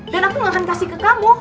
dan aku gak akan kasih ke kamu